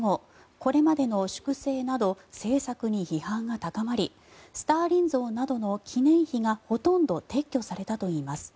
これまでの粛清など政策に批判が高まりスターリン像などの記念碑がほとんど撤去されたといいます。